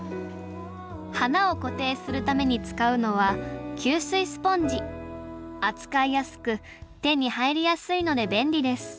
花を固定するために使うのは扱いやすく手に入りやすいので便利です。